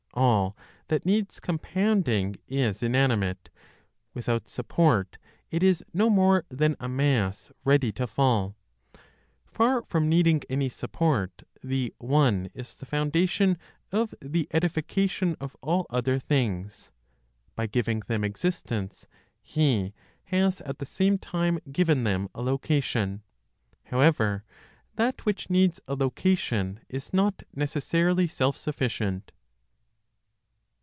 All that needs compounding is inanimate; without support it is no more than a mass ready to fall. (Far from needing any support) the One is the foundation of the edification of all other things; by giving them existence, He has at the same time given them a location. However, that which needs a location is not (necessarily) self sufficient.